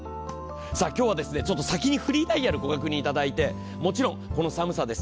今日は先にフリーダイヤルをご確認いただいて、もちろんこの寒さです。